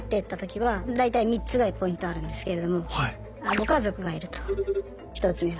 ご家族がいると１つ目は。